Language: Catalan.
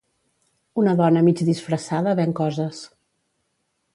Una dona mig disfressada ven coses.